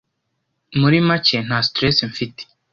muri macye nta stress mfite”